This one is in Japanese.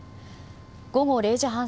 午後０時半